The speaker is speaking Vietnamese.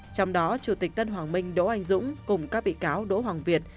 trong đó chủ tịch tân hoàng minh đỗ anh dũng cùng các bị cáo đỗ hoàng việt